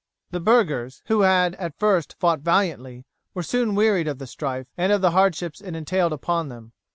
The burghers, who had at first fought valiantly, were soon wearied of the strife, and of the hardships it entailed upon them.